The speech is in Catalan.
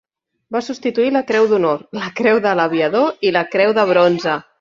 Va substituir la Creu d'Honor, la Creu de l'Aviador i la Creu de Bronze.